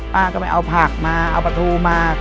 ป้าก็ไปเอาผักมาเอาปลาทูมา